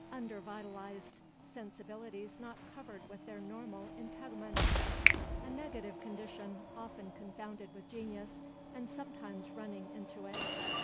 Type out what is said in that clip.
Under vitalized. Sensibilities not covered with their normal integuments. A negative condition, often confounded with genius, and sometimes running into it.